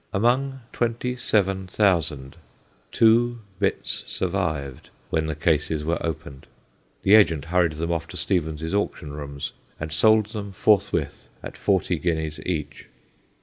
Among twenty seven thousand two bits survived when the cases were opened; the agent hurried them off to Stevens's auction rooms, and sold them forthwith at forty guineas each.